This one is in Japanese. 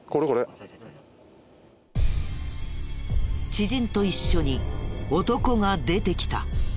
知人と一緒に男が出てきた。